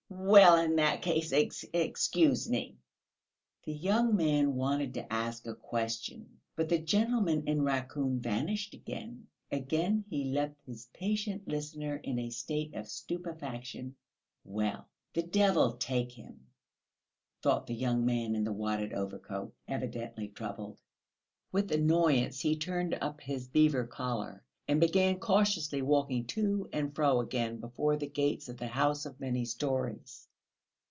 "Well, in that case, excuse me!" The young man wanted to ask a question, but the gentleman in raccoon vanished again; again he left his patient listener in a state of stupefaction. "Well, the devil take him!" thought the young man in the wadded overcoat, evidently troubled. With annoyance he turned up his beaver collar, and began cautiously walking to and fro again before the gates of the house of many storeys.